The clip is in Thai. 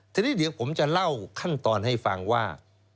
ทีนี้เดี๋ยวผมจะเล่าขั้นตอนให้ฟังว่า